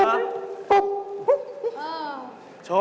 เออ